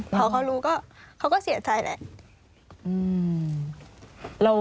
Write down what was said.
พอเขารู้ก็เขาก็เสียใจแหละ